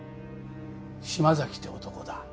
島崎って男だ。